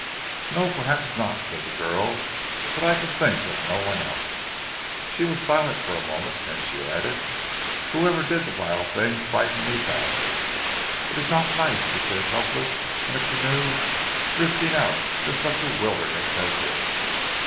"No, perhaps not," said the girl. "But I can think of no one else." She was silent for a moment, then she added, "Whoever did the vile thing frightened me badly. It is not nice to sit helpless in a canoe drifting out into such a wilderness as this."